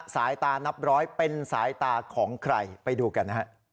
สายตานับร้อยเป็นสายตาของใครไปดูกันนะฮะ